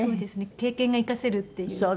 経験が生かせるっていうか。